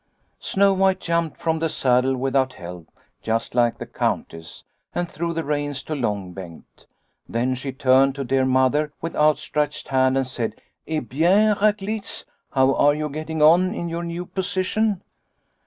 " Snow White jumped from the saddle with out help, just like the Countess, and threw the reins to Long Bengt. Then she turned to dear Mother with outstretched hand and said, ' Eh bien, Raklitz, how are you getting on in your new position